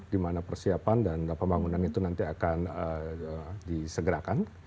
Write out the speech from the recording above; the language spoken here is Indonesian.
dimana persiapan dan pembangunan itu nanti akan disegerakan